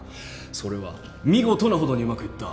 それは見事なほどにうまくいった。